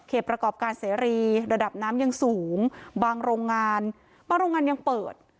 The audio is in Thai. ประกอบการเสรีระดับน้ำยังสูงบางโรงงานบางโรงงานยังเปิด